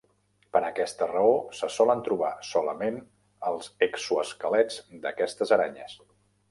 Per aquesta raó se solen trobar solament els exoesquelets d'aquestes aranyes.